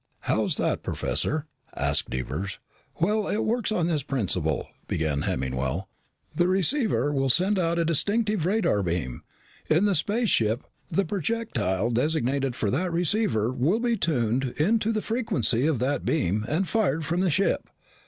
"How is that, Professor?" asked Devers. "Well, it works on this principle," began Hemmingwell. "The receiver will send out a distinctive radar beam. In the spaceship, the projectile designated for that receiver will be tuned in to the frequency of that beam and fired from the ship.